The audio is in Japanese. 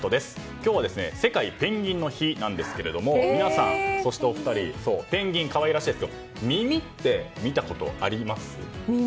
今日は世界ペンギンの日なんですが皆さん、ペンギン可愛らしいですけど耳って見たことあります？